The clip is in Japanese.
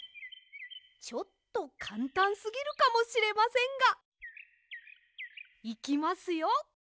ちょっとかんたんすぎるかもしれませんが。いきますよ！